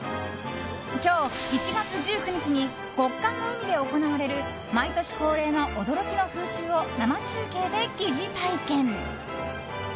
今日、１月１９日に極寒の海で行われる毎年恒例の驚きの風習を生中継で疑似体験。